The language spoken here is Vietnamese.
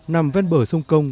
nằm ven bờ sông công